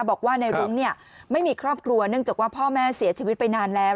บอกว่าในรุ้งไม่มีครอบครัวเนื่องจากว่าพ่อแม่เสียชีวิตไปนานแล้ว